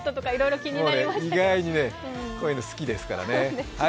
意外にね、こういうのが好きですからね。